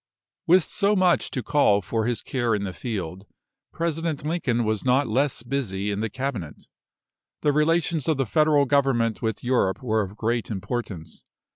With so much to call for his care in the field, President Lincoln was not less busy in the Cabinet. The relations of the Federal Government with Europe were of great importance.